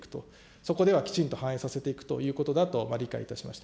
そこではきちんと反映させていくということだと理解いたしました。